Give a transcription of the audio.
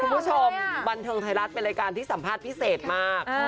คุณผู้ชมบันเทิงไทยรัฐเป็นรายการที่สัมภาษณ์พิเศษมาก